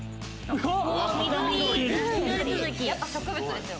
やっぱ植物ですよ。